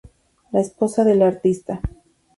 La esposa del artista